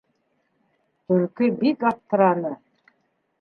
Төлкө бик аптыраны: